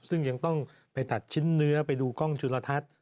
ซึ่งยังต้องไปตัดชิ้นเนื้อไปดูกล้องจุลทัศน์